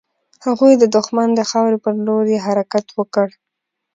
هغوی د دښمن د خاورې پر لور يې حرکت وکړ.